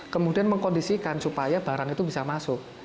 kemudian mengkondisikan supaya barang itu bisa masuk